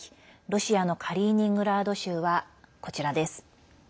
ロシアのカリーニングラード州はこちらです。